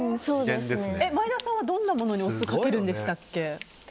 前田さんはどんなものにお酢かけるんでしたっけ？